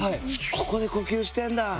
ここで呼吸してんだ。